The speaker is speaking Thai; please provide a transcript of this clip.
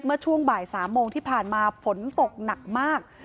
เมื่อช่วงบ่าย๓โมงที่ผ่านมาฝนตกหนักมาก